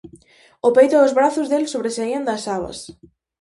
O peito e os brazos del sobresaían das sabas.